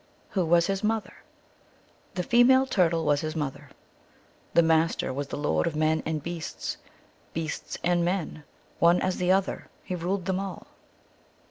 Who was his mother ? The female Turtle was his mother. The Master was the Lord of Men and Beasts. Beasts and Men, one as the other, he ruled them all.